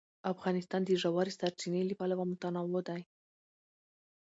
افغانستان د ژورې سرچینې له پلوه متنوع دی.